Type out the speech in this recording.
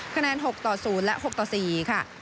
คะแนน๖๐และ๖๔ค่ะ